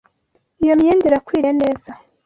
Iyo myenda irakwiriye neza.